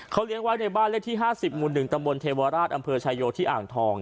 เขาเลี้ยงไว้ในบ้านเลขที่๕๐หมู่๑ตำบลเทวราชอำเภอชายโยที่อ่างทอง